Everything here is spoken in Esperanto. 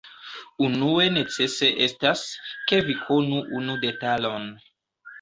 Unue necese estas, ke vi konu unu detalon.